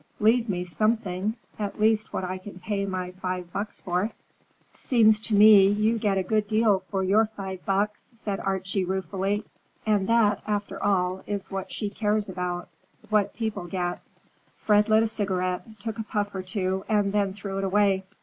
Leave me something; at least what I can pay my five bucks for." "Seems to me you get a good deal for your five bucks," said Archie ruefully. "And that, after all, is what she cares about,—what people get." Fred lit a cigarette, took a puff or two, and then threw it away.